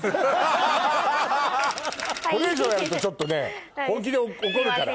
これ以上やるとちょっとね本気で怒るから。